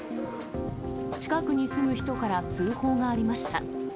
近くに住む人から通報がありました。